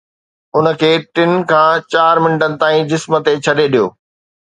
ان کي ٽن کان چار منٽن تائين جسم تي ڇڏي ڏيو